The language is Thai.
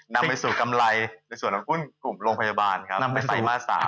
นำไปสู่กำไรในส่วนนำหุ้นกลุ่มโรงพยาบาล